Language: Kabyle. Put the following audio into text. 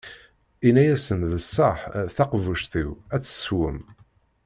Inna-asen: D ṣṣeḥḥ, taqbuct-iw, a tt-teswem.